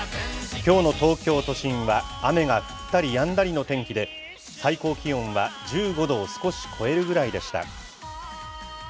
きょうの東京都心は、雨が降ったりやんだりの天気で、最高気温は１５度を少し超えるぐらいでした。